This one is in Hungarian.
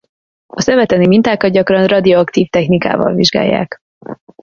A szövettani mintákat gyakran radioaktív technikával vizsgálják.